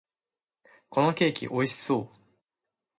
このケーキ、美味しそう！